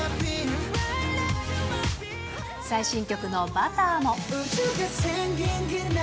最新曲のバターも。